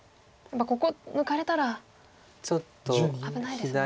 ここ抜かれたら危ないですもんね。